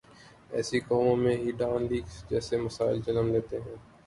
ایسی قوموں میں ہی ڈان لیکس جیسے مسائل جنم لیتے ہیں۔